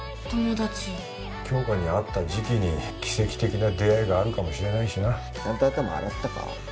友達杏花に合った時期に奇跡的な出会いがあるかもしれないしなちゃんと頭洗ったか？